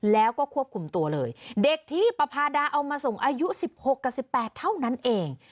แล้วก็ควบคุมตัวเลยเด็กที่ประพาดาเอามาส่งอายุ๑๖กับ๑๘เท่านั้นเอง